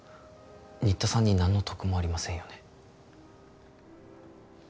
新田さんに何の得もありませんよね？